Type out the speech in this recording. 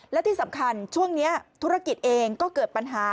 และที่สำคัญช่วงนี้ธุรกิจเองก็เกิดปัญหา